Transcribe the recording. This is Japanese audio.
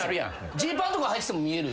ジーパンとかはいてても見える。